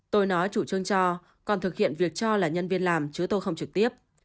tôi nói chủ trương cho còn thực hiện việc cho là nhân viên làm chứ tôi không trực tiếp